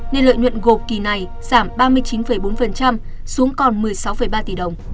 nên lợi nhuận gộp kỳ này giảm ba mươi chín bốn xuống còn một mươi sáu ba tỷ đồng